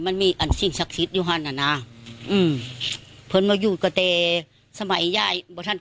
ไกลที่ลุงปู่กื้น